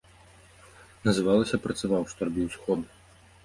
Называлася працаваў, што рабіў сходы.